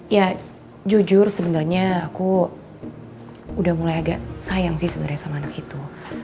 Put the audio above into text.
ya jujur sebenarnya aku udah mulai agak sayang sih sebenarnya sama anak itu